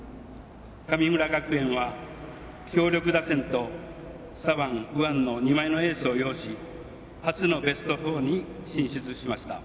神村学園は強力打線と左腕、右腕の２枚のエースを擁し初のベスト４に進出しました。